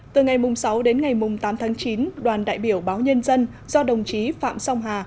từ ngày sáu đến ngày tám tháng chín đoàn đại biểu báo nhân dân do đồng chí phạm song hà